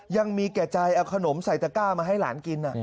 ยังมีแก่ใจเอาขนมใส่ตะก้ามาให้หลานกิน